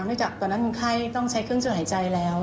จากตอนนั้นคนไข้ต้องใช้เครื่องช่วยหายใจแล้ว